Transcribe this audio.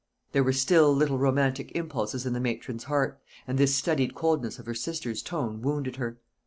There were still little romantic impulses in the matron's heart, and this studied coldness of her sister's tone wounded her.